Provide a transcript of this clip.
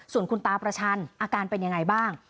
ส่วนคุณตาประชันอาการเป็นยังไงบ้าง